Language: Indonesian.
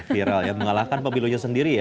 viral ya mengalahkan pemilunya sendiri ya